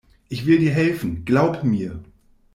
Ich will dir helfen, glaub mir.